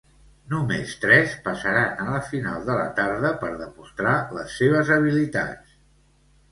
Només tres passaran a la final de la tarda per demostrar les seves habilitats.